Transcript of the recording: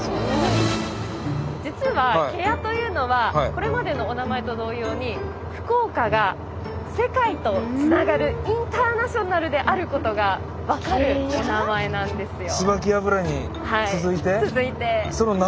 実は芥屋というのはこれまでのお名前と同様に福岡が世界とつながるインターナショナルであることが分かるお名前なんですよ。